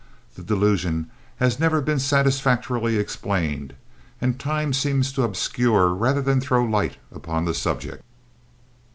The delusion has never been satisfactorily explained, and time seems to obscure rather than throw light upon the subject.